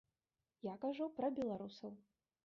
Я кажу пра беларусаў.